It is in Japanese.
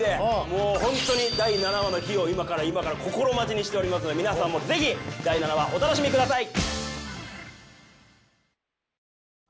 もう本当に第７話の日を今から心待ちにしておりますので皆さんもぜひ第７話お楽しみください。